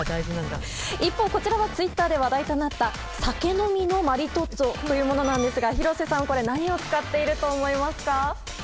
一方、こちらはツイッターで話題となった酒飲みのマリトッツォというものなんですが廣瀬さん、これは何を使っていると思いますか？